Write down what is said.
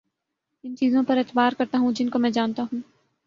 ان چیزوں پر اعتبار کرتا ہوں جن کو میں جانتا ہوں